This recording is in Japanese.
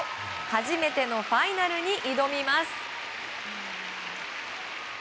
初めてのファイナルに挑みます。